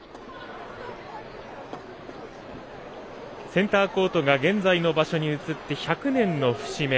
センターコートが現在の場所に移って１００年の節目。